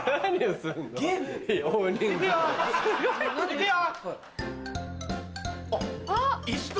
いくよ！